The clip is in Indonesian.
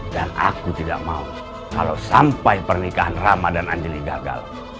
dan aku tidak mau kalau sampai pernikahan rama dan anjeli gagal